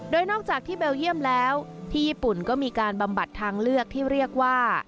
โดยนอกจากที่เบลเยี่ยมแล้วที่ญี่ปุ่นก็มีการบำบัดทางเลือกที่เรียกว่า